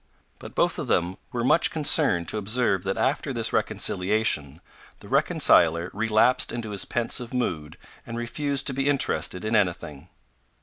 But both of them were much concerned to observe that after this reconciliation, the reconciler relapsed into his pensive mood and refused to be interested in anything.